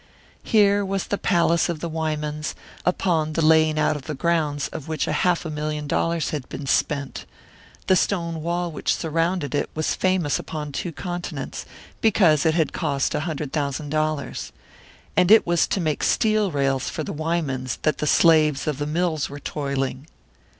Here was the palace of the Wymans, upon the laying out of the grounds of which a half million dollars had been spent; the stone wall which surrounded it was famous upon two continents, because it had cost a hundred thousand dollars. And it was to make steel rails for the Wymans that the slaves of the mills were toiling!